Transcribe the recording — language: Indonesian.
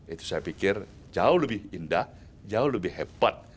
itu saya pikir jauh lebih indah jauh lebih hebat